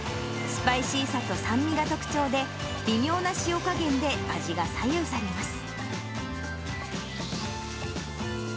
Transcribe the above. スパイシーさと酸味が特徴で、微妙な塩加減で味が左右されます。